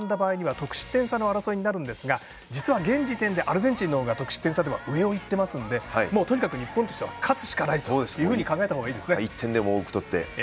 得失点差で争いになるんですが、実は現時点でアルゼンチンの方が得失点差というのは上をいってますのでとにかく日本としては勝つことを考えたほうがいいですね。